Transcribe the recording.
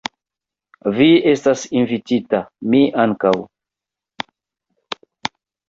Vi estas invitita, mi ankaŭ.